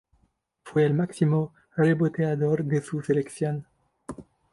Fue el máximo reboteador de su selección.